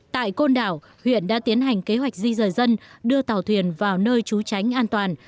tại côn đảo huyện đã tiến hành kế hoạch di rời dân đưa tàu thuyền vào nơi trú tránh an toàn